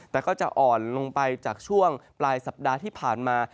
แต่ก็จะอ่อนลงไปจากช่วงปลายสัปดาห์ที่ผ่านมา